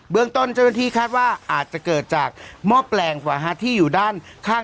เรื่องต้นเจ้าหน้าที่คาดว่าอาจจะเกิดจากหม้อแปลงกว่าที่อยู่ด้านข้าง